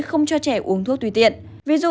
không cho trẻ uống thuốc tùy tiện ví dụ